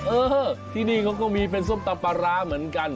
เออที่นี่เขาก็มีเป็นส้มตำปลาร้าเหมือนกัน